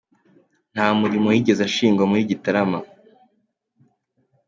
Nta mulimo yigeze ashingwa muri Gitarama.